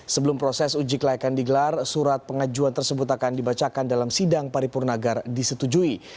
sebelum proses uji kelayakan digelar surat pengajuan tersebut akan dibacakan dalam sidang paripurna agar disetujui